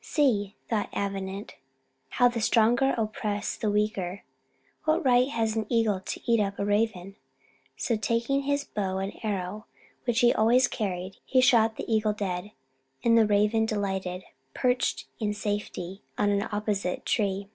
"See," thought Avenant, "how the stronger oppress the weaker! What right has an eagle to eat up a raven?" So taking his bow and arrow, which he always carried, he shot the eagle dead, and the raven, delighted, perched in safety on an opposite tree.